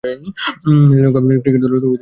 Sri Lanka cricket দলের অধিনায়কের দায়িত্বে ছিলেন।